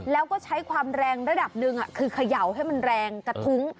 แล้วก็ใช้ความแรงระดับหนึ่งคือเขย่าให้มันแรงกระทุ้ง